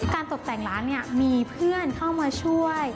ตกแต่งร้านเนี่ยมีเพื่อนเข้ามาช่วย